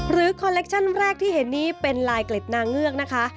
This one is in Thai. คอลเลคชั่นแรกที่เห็นนี้เป็นลายเกล็ดนางเงือกนะคะ